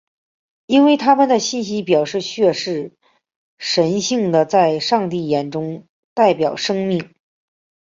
因为他们的信条表明血是神性的在上帝眼中代表生命。